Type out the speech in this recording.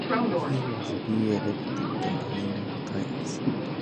He was reelected nine more times.